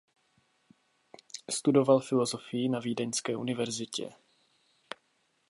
Studoval filozofii na Vídeňské univerzitě.